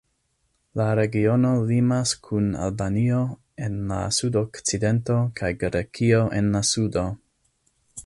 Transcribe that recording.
La regiono limas kun Albanio en la sudokcidento kaj Grekio en la sudo.